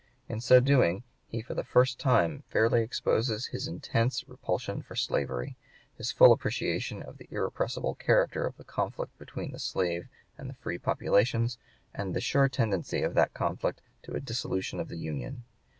In so doing he for the first time fairly exposes his intense repulsion for slavery, his full appreciation of the irrepressible character of the conflict between the slave and the free populations, and the sure tendency of that conflict to a dissolution of the Union.